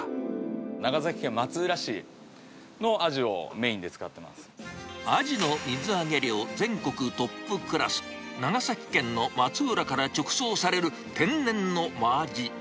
長崎県松浦市のアジをメイン味の水揚げ量全国トップクラス、長崎県の松浦から直送される天然のマアジ。